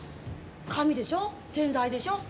紙でしょ洗剤でしょ